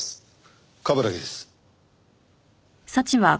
冠城です。